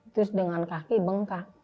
terus dengan kaki bengkak